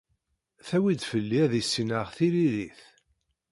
Tewwi-d fell-i ad issineɣ tiririt.